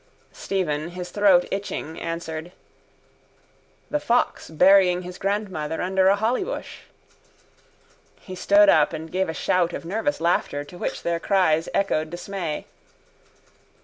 Stephen, his throat itching, answered: —The fox burying his grandmother under a hollybush. He stood up and gave a shout of nervous laughter to which their cries echoed dismay.